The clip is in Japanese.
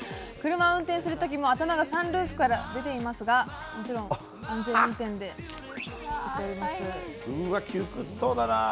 車を運転する時も頭がサンルーフから出ていますがもちろん安全運転でやっております。